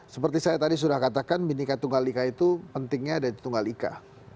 seperti saya tadi sudah katakan binika tunggal ika itu pentingnya ada di tunggal ika